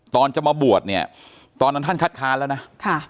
ตอนจะมาบวชเนี่ยตอนนั้นท่านคัดค้านแล้วนะค่ะ